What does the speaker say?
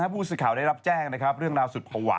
ผู้สื่อข่าวได้รับแจ้งเรื่องราวสุดภาวะ